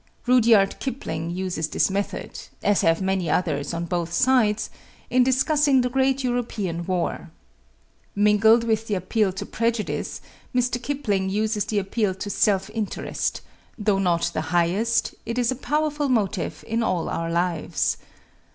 Rudyard Kipling uses this method as have many others on both sides in discussing the great European war. Mingled with the appeal to prejudice, Mr. Kipling uses the appeal to self interest; though not the highest, it is a powerful motive in all our lives.